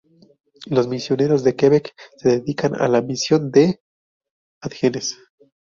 Los misioneros de Quebec se dedican a la misión "ad gentes".